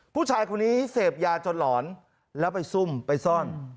ผู้ชายคนนี้เสพยาจนหลอนแล้วไปซุ่มไปซ่อน